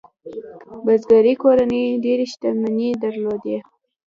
بزګري کورنۍ ډېرې شتمنۍ درلودې.